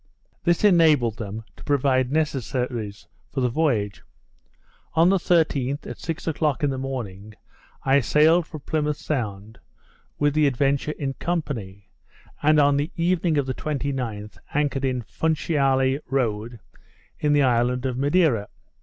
This enabled them to provide necessaries for the voyage. On the 13th, at six o'clock in the morning, I sailed from Plymouth Sound, with the Adventure in company; and on the evening of the 29th anchored in Funchiale Road, in the island of Madeira.